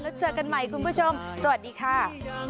แล้วเจอกันใหม่คุณผู้ชมสวัสดีค่ะ